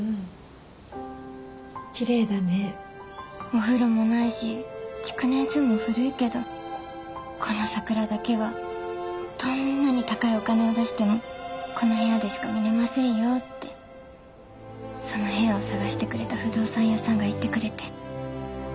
「お風呂もないし築年数も古いけどこの桜だけはどんなに高いお金を出してもこの部屋でしか見れませんよ」ってその部屋を探してくれた不動産屋さんが言ってくれて。